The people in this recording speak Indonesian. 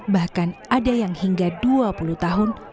bahkan ada yang hingga dua puluh tahun